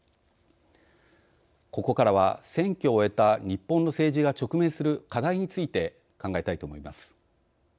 ここからは選挙を終えた日本の政治が直面する課題について考えたいと思います。